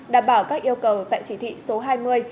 đảm bảo các yêu cầu tại chỉ thị số hai mươi